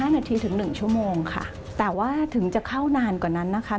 นาทีถึง๑ชั่วโมงค่ะแต่ว่าถึงจะเข้านานกว่านั้นนะคะ